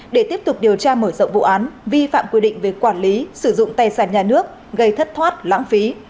để tiếp tục điều tra mở rộng vụ án vi phạm quy định về quản lý sử dụng tài sản nhà nước gây thất thoát lãng phí